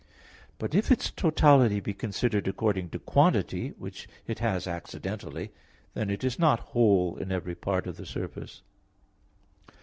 But if its totality be considered according to quantity which it has accidentally, then it is not whole in every part of the surface.